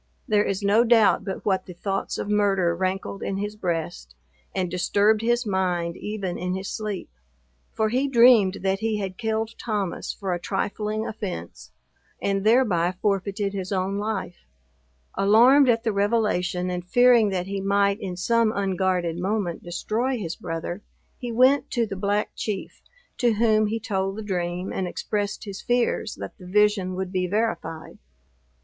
There is no doubt but what the thoughts of murder rankled in his breast, and disturbed his mind even in his sleep; for he dreamed that he had killed Thomas for a trifling offence, and thereby forfeited his own life. Alarmed at the revelation, and fearing that he might in some unguarded moment destroy his brother, he went to the Black Chief, to whom he told the dream, and expressed his fears that the vision would be verified.